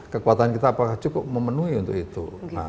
kekuatan kita apakah cukup memenuhi untuk itu